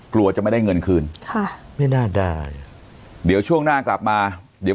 กลัวจะไม่ได้เงินคืนค่ะไม่น่าได้เดี๋ยวช่วงหน้ากลับมาเดี๋ยว